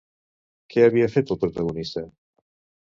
Què havia fet el protagonista?